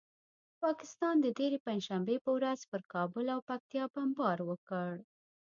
پاکستان د تېرې پنجشنبې په ورځ پر کابل او پکتیکا بمبار وکړ.